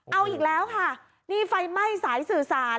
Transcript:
เอาอีกแล้วค่ะนี่ไฟไหม้สายสื่อสาร